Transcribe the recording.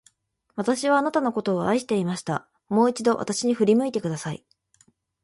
私はあなたのことを愛していました。もう一度、私に振り向いてください。